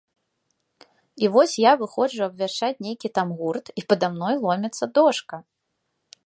І вось я выходжу абвяшчаць нейкі там гурт, і пада мной ломіцца дошка.